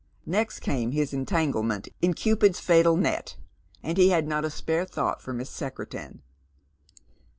Next came lis entanglement in Cupid's fatal net, and he had not a spare .bought for Miss Secretan.